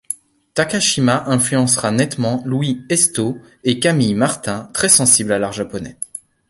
Takashima influencera nettement Louis Hestaux et Camille Martin, très sensible à l'art japonais.